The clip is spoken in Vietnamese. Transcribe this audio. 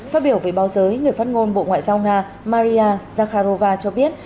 phát biểu với báo giới người phát ngôn bộ ngoại giao nga maria zakharova cho biết